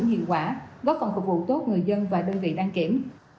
hẹn gặp lại các bạn trong những video tiếp theo